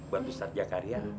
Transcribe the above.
buat ustadz jakaria